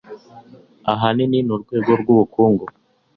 ahanini mu rwego rw'ubukungu